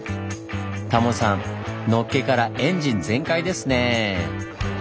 タモさんのっけからエンジン全開ですね！